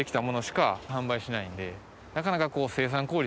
なかなか。